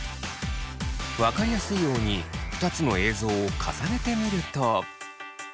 分かりやすいように２つの映像を重ねてみると。